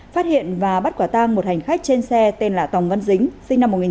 phát hiện và bắt quả tăng một hành khách trên xe tên là tòng văn dính sinh năm một nghìn chín trăm chín mươi bảy